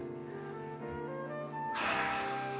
はあ！